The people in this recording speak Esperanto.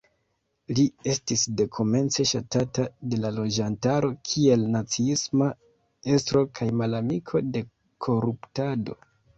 Li estis dekomence ŝatata de la loĝantaro kiel naciisma estro kaj malamiko de koruptado.